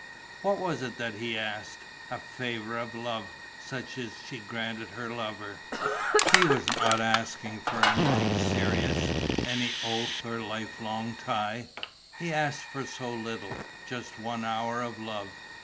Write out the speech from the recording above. What was it that he asked? A favour of love, such as she granted her lover! He was not asking for anything serious, any oath or lifelong tie; he asked for so little: just one hour of love.